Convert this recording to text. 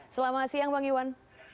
selamat siang bang iwan